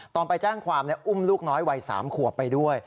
ตอนไปแจ้งความอุ้มลูกน้อยวัย๓ขวบไปด้วย